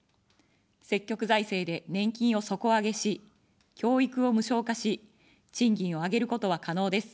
積極財政で年金を底上げし、教育を無償化し、賃金を上げることは可能です。